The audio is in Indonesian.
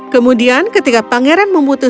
kemudian ketika pangeran memulai